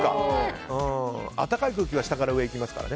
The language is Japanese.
暖かい空気は下から上にいきますから。